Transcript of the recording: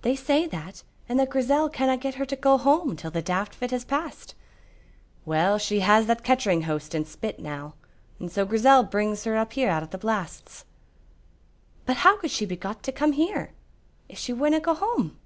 "They say that, and that Grizel canna get her to go home till the daft fit has passed." "Well, she has that kechering hoast and spit now, and so Grizel brings her up here out o' the blasts." "But how could she be got to come here, if she winna go home?"